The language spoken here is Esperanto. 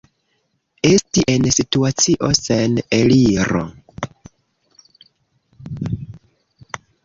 Esti en situacio sen eliro.